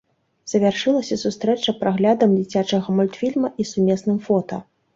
Завяршылася сустрэча праглядам дзіцячага мультфільма і сумесным фота.